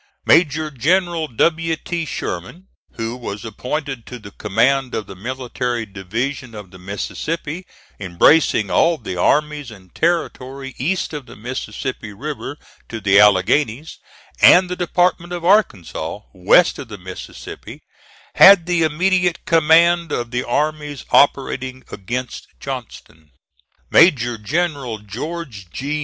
Major General W. T. Sherman, who was appointed to the command of the Military Division of the Mississippi, embracing all the armies and territory east of the Mississippi River to the Alleghanies and the Department of Arkansas, west of the Mississippi, had the immediate command of the armies operating against Johnston. Major General George G.